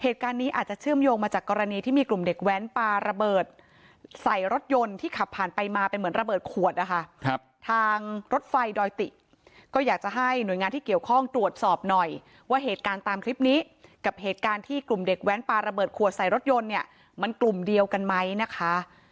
ทางรถไฟดอยติก็อยากจะให้หน่วยงานที่เกี่ยวข้องตรวจสอบหน่อยว่าเหตุการณ์ตามคลิปนี้กับเหตุการณ์ที่กลุ่มเด็กแว้นปลาระเบิดขวดใส่รถยนต์เนี่ยมันกลุ่มเดียวกันไหมนะคะ